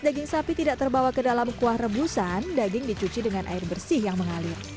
daging sapi tidak terbawa ke dalam kuah rebusan daging dicuci dengan air bersih yang mengalir